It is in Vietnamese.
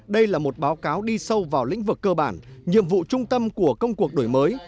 đây là một báo cáo đi sâu vào lĩnh vực cơ bản nhiệm vụ trung tâm của công cuộc đổi mới